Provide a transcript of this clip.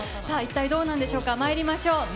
さあ、一体どうなんでしょうか、まいりましょう。